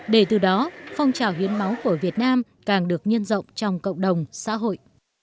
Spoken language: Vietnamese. để từ đó phong trào hiến máu của việt nam càng được nhân rộng trong cộng đồng xã hội